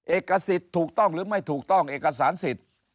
เอกสิทธิ์ถูกต้องหรือไม่ถูกต้องเอกสารสิทธิ์